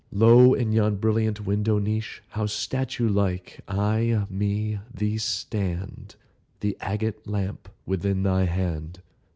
Lo! in yon brilliant window niche How statue like I me thee stand, The agate lamp within thy hand!